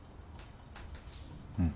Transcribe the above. うん。